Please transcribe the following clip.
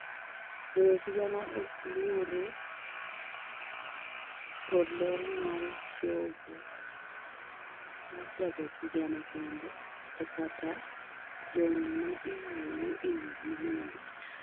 Goyo sigana okluore kod ler mar jago sigana kende, to kata jomaiwuoyo ewigi bende